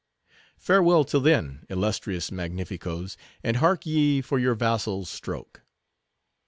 Farewell till then, illustrious magnificoes, and hark ye for your vassal's stroke."